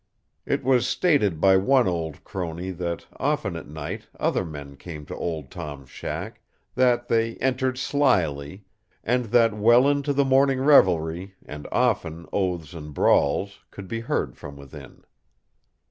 It was stated by one old crony that often at night other men came to Old Tom's shack, that they entered slyly, and that well into the morning revelry, and often oaths and brawls, could be heard from within.